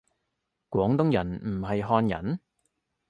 廣東人唔係漢人？